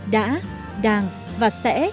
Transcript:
đã đang và sẽ